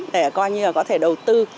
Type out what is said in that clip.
để coi như là có thể đầu tư